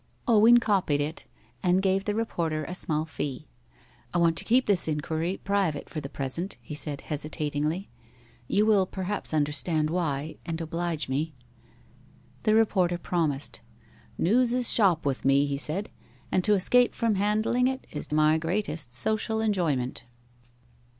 Owen copied it, and gave the reporter a small fee. 'I want to keep this inquiry private for the present,' he said hesitatingly. 'You will perhaps understand why, and oblige me.' The reporter promised. 'News is shop with me,' he said, 'and to escape from handling it is my greatest social enjoyment.